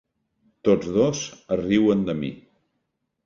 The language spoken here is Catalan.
Tots dos es riuen de mi.